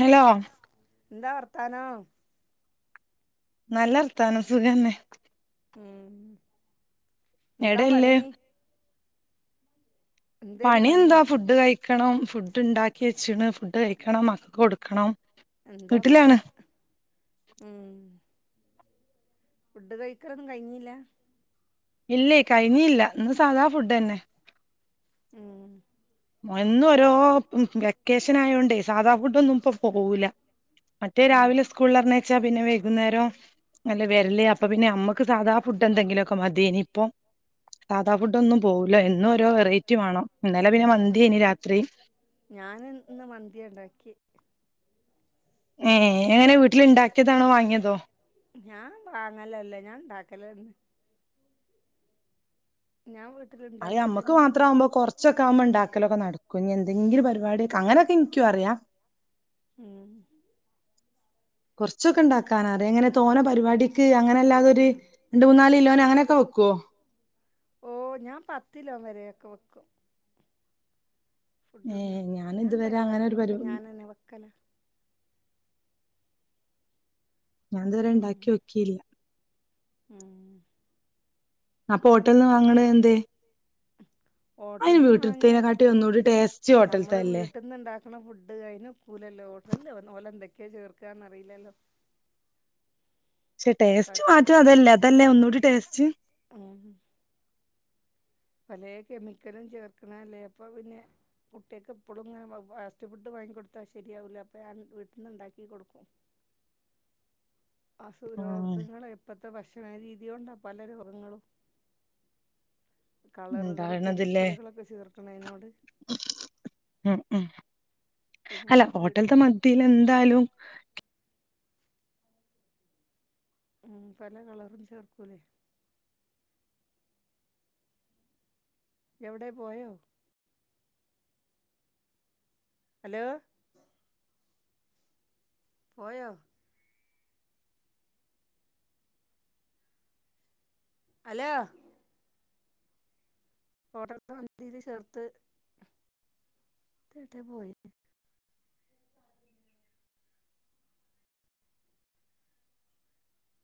Hello ന്താ വർത്താനോം നല്ലർത്താനം സുഖന്നെ ഉം ന്താ എവിടെല്ലേ പണി? പണി എന്താ ഫുഡ് കഴിക്കണം ഫുഡ്ഡ് ണ്ടാക്കി വെച്ചീണ് ഫു ഫുഡ്ഡ് കഴിക്കണം മക്ക് കൊടുക്കണം എന്താ ഫുഡ് വീട്ടിലാണ് ഉം ഫുഡ്ഡ് കഴിക്കലൊന്നും കഴിഞ്ഞില്യ ഇല്ലേയ് കഴിഞ്ഞില്ല ഇന്ന് സാധാ ഫുഡ്ന്നെ ഉം എന്നും ഓരോ ഉം വെക്കേഷൻ ആയോണ്ടേ സാധാ ഫുഡൊന്നും ഇപ്പൊ പോവൂല മറ്റേ ഉം രാവിലെ സ്കൂള്ള് പർണെച്ചാ പിന്നെ വൈകുന്നേരം അല്ലെ വെര്ല് അപ്പൊ പിന്നെ നമ്മക്ക് സാധാ ഫുഡ് എന്തെങ്കിലും ഒക്കെ മതീനി ഇപ്പൊ സാധാ ഫുഡൊന്നും പോവൂല എന്നും ഓരോ വെറൈറ്റി വേണം ഇന്നലെ പിന്നെ മന്തിയ്നി രാത്രി ഞാന് ഇന്ന് മന്തിയാണ്ടാക്കിയെ ഏഹ് എങ്ങനെ വീട്ടില് ഇണ്ടാക്കിയതാണോ വാങ്ങിയതോ ഉം ഞാൻ വാങ്ങലല്ല ഞാണ്ടാക്കലന്നെ ഞാൻ വീട്ടില് അയ് യമ്മക്ക് മാത്രവുമ്പോ കൊർ ച്ചൊക്കെ വുമ്പോ ണ്ടാക്കലൊക്കെ നടക്കും ഞ്ഞി എന്തെങ്കിലും പരിവാടിക്കെ അങ്ങനൊക്കെ ൻക്കും അറിയാ ഉം കൊർച്ചൊക്കെണ്ടാക്കാനറിയ എങ്ങനെ തോനെ പരിവാടിക്ക് അങ്ങനെ അല്ലാതെ ഒര് രണ്ട് മൂന്നാല് ലോന് അങ്ങനൊക്കെ വെക്കോ ഓഹ് ഞാൻ പത്തി ലോം വരെ യൊക്കെ വയ്ക്കും ഫുഡ് ഏ ണ്ടാക്കും ഞാൻ ഇതുവരെ അങ്ങനെ ഒരു പരി പരിവാടിക്കൊക്കെ ഞാനെന്നെ വെക്കലാ ഞാൻ ഉം തുവരെണ്ടാക്കി ഓക്കില്ല ഉം അപ്പൊ ഹോട്ടൽന്ന് വാങ്ങണേ എന്തെ അയിന് ഹോട്ടൽന്ന് വീട്ടിൽ വാങ്ങിയ ത്തെനെക്കാട്ടി ഒന്നൂടി ടേസ്റ്റ് ഹോട്ടൽത്തല്ലേ വെക്കണ ഫുഡ് അയിന് ക്കൂലല്ലോ ഹോട്ടല്ണാ ഓലെ ന്തൊക്കെ ചേർക്കാന്നറീലല്ലോ പക്ഷെ പല ടേസ്റ്റ് മാറ്റം അതല്ലേ അതല്ലേ ഒന്നൂടി ടേസ്റ്റ് ഉം പലേ കെമിക്കലും ചേർക്കണെല്ലേ അപ്പൊ പിന്നെ പുട്ടിയെക്ക് എപ്പളും ങ്ങനെ ഫാസ്റ്റ് ഫുഡ് വാങ്ങി കൊട്ത്താ ശരിയാവൂല അപ്പൊ ഞാൻ വീട്ട്ന്ന്ണ്ടാക്കി കൊടുക്കും അസു ഉം രോഗങ്ങള് ഇപ്പത്തെ ഭക്ഷണരീതി കൊണ്ടാ പല രോഗങ്ങളും കളറുകള് ഉണ്ടാകണതില്ലേ കെമിക്കലുകളൊക്കെ ചേർക്കണേനൊട് ഉം ഉം ഇപ്പം ഞാൻ അല്ല വീ ഹോട്ടലത്തെ മന്തീല് എന്തായാലും ഉം പല കളറും ചേർക്കൂലേ എവിടെ പോയോ ഹലോ പോയോ ഹലോ ഫോട്ടാട്ത് വണ്ടീല് ചേർത്ത് തേട്ടേ പോയി ന്നേ?